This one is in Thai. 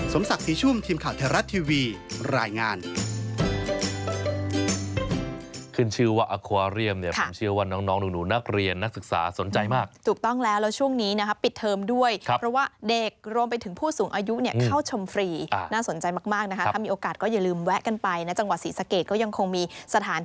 สมศักดิ์สีชุ่มทีมข่าวเทศรัตน์ทีวีรายงาน